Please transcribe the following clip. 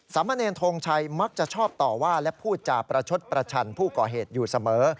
มะเนรทงชัยมักจะชอบต่อว่าและพูดจาประชดประชันผู้ก่อเหตุอยู่เสมอ